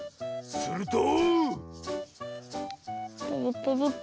すると。